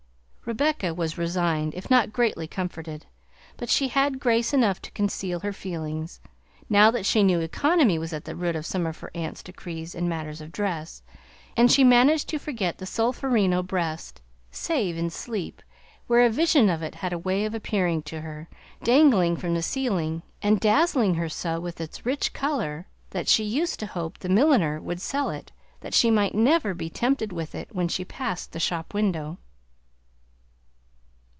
Rebecca was resigned, if not greatly comforted, but she had grace enough to conceal her feelings, now that she knew economy was at the root of some of her aunt's decrees in matters of dress; and she managed to forget the solferino breast, save in sleep, where a vision of it had a way of appearing to her, dangling from the ceiling, and dazzling her so with its rich color that she used to hope the milliner would sell it that she might never be tempted with it when she passed the shop window.